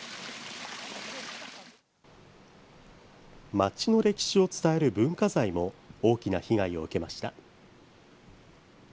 街の歴史を伝える文化財も大きな被害を受けました。